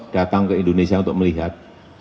datang ke indonesia untuk melihat